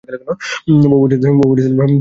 বহু বছর ধরে মানুষ পাখি নিয়ে গবেষণা করছে।